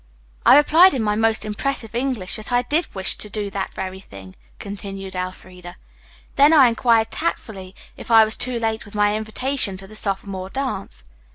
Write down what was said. "I replied in my most impressive English that I did wish to do that very thing," continued Elfreda. "Then I inquired tactfully if I was too late with my invitation to the sophomore dance.